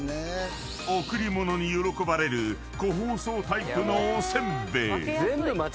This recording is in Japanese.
［贈り物に喜ばれる個包装タイプのおせんべい］